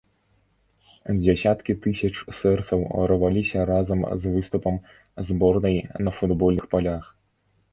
Дзясяткі тысяч сэрцаў рваліся разам з выступам зборнай на футбольных палях.